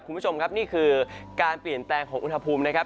คุณผู้ชมครับนี่คือการเปลี่ยนแปลงของอุณหภูมินะครับ